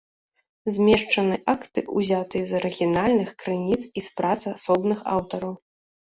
Змешчаны акты, ўзятыя з арыгінальных крыніц і з прац асобных аўтараў.